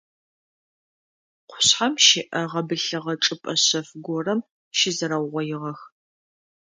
Къушъхьэм щыӏэ гъэбылъыгъэ чӏыпӏэ шъэф горэм щызэрэугъоигъэх.